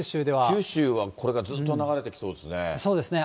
九州はこれからずっと流れてきそうですね。